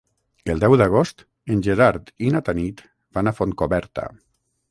El deu d'agost en Gerard i na Tanit van a Fontcoberta.